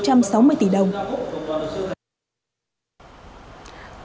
công an quản lý bán vé du lịch